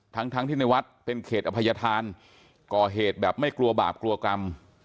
ทั้งทั้งที่ในวัดเป็นเขตอภัยธานก่อเหตุแบบไม่กลัวบาปกลัวกรรม